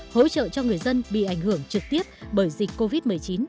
hỗ trợ cho người dân bị ảnh hưởng trực tiếp bởi dịch covid một mươi chín